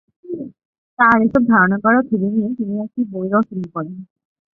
তার এসব ধারণ করা ছবি নিয়ে তিনি একটি বই রচনা করেন।